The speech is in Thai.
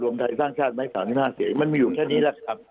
รวมไทยสร้างชาติไหม้สามห้ีห้าเกียรติมันมีอยู่แค่นี้แหละครับ